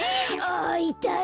あいたい！